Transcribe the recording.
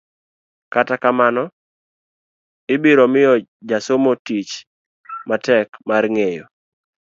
kata kamano, ibiro miyo jasomo tich matek mar ng'eyo